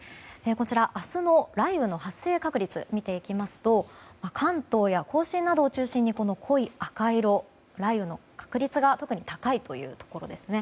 明日の雷雨の発生確率を見ていきますと関東や甲信などを中心に濃い赤色、雷雨の確率が特に高いというところですね。